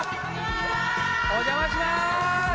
お邪魔します。